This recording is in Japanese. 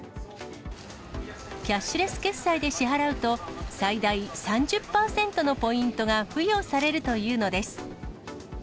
キャッシュレス決済で支払うと、最大３０％のポイントが付与されるというのです。